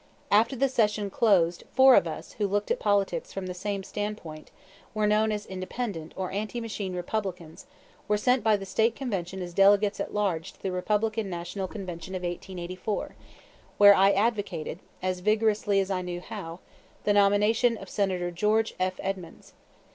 After the session closed four of us who looked at politics from the same standpoint and were known as Independent or Anti Machine Republicans were sent by the State Convention as delegates at large to the Republican National Convention of 1884, where I advocated, as vigorously as I knew how, the nomination of Senator George F. Edmunds.